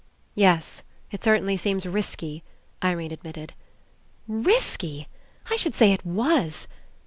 "Yes, It certainly seems risky," Irene ad mitted. "Risky! I should say It was.